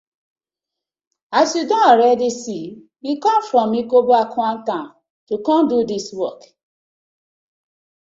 As yu don already see, we com from Ekoboakwan town to com to do dis work.